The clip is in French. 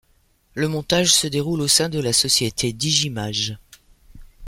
Le montage se déroule au sein de la société Digimage.